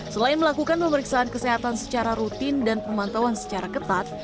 selain melakukan pemeriksaan kesehatan secara rutin dan pemantauan secara ketat